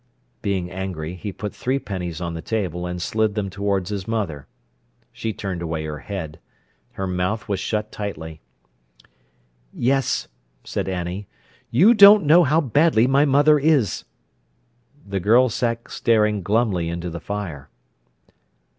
Being angry, he put three pennies on the table and slid them towards his mother. She turned away her head. Her mouth was shut tightly. "Yes," said Annie, "you don't know how badly my mother is!" The girl sat staring glumly into the fire.